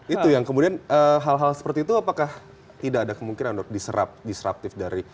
itu yang kemudian hal hal seperti itu apakah tidak ada kemungkinan untuk diserap disruptif dari